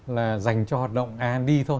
là dành cho hoạt động ind thôi